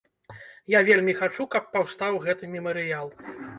Я вельмі хачу, каб паўстаў гэты мемарыял.